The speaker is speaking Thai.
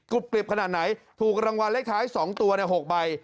กริบขนาดไหนถูกรางวัลเลขท้าย๒ตัว๖ใบ